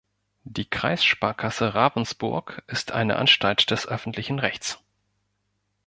Die Kreissparkasse Ravensburg ist eine Anstalt des öffentlichen Rechts.